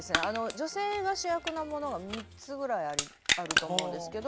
女性が主役のものが３つぐらいあると思うんですけど。